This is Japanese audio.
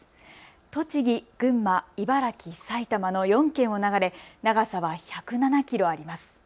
栃木、群馬、茨城、埼玉の４県を流れ長さは１０７キロあります。